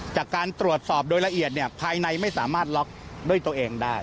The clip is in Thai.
จากการตรวจสอบโดยละเอียดภายในไม่สามารถล็อกด้วยตัวเองได้